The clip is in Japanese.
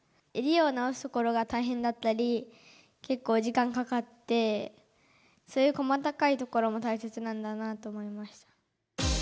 襟を直すところが大変だったり、結構時間かかって、そういう細かいところも大切なんだなと思いました。